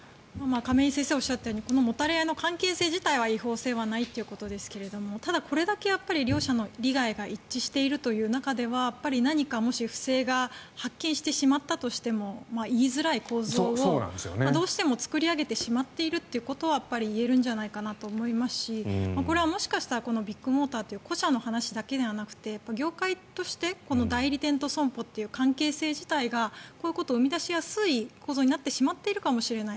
亀井先生がおっしゃったようにこのもたれ合いの関係性自体は違法性はないということですがただ、これだけ両者の利害が一致している中では何かもし不正を発見してしまったとしても言いづらい構造をどうしても作り上げてしまっているということは言えるんじゃないかなと思いますしこれはもしかしたらビッグモーターという個者の話ではなくて業界として代理店と損保という関係性自体がこういうことを生み出しやすい構造になってしまっているかもしれない。